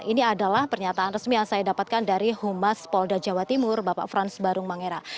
ini adalah pernyataan resmi yang saya dapatkan dari humas polda jawa timur bapak frans barung mangera